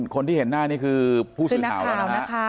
คนที่เห็นหน้านี่คือผู้สื่อข่าวแล้วนะฮะ